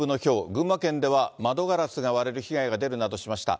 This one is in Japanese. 群馬県では窓ガラスが割れる被害が出るなどしました。